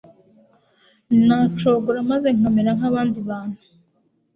nacogora maze nkamera nk'abandi bantu